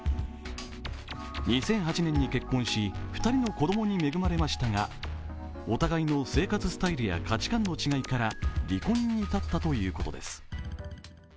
２００８年に結婚し、２人の子供に恵まれましたが、お互いの生活スタイルや価値観の違いから離婚に至ったということです。